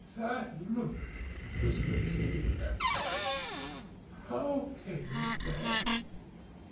"That look!" whispered she, and shuddered. "How came it there?"